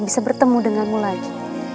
bisa bertemu denganmu lagi